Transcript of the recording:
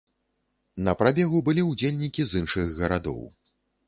На прабегу былі ўдзельнікі з іншых гарадоў.